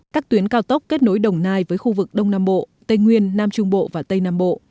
các tuyến cao tốc kết nối đồng nai với khu vực đông nam bộ tây nguyên nam trung bộ và tây nam bộ